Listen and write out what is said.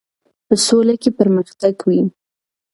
په سوله کې پرمختګ وي.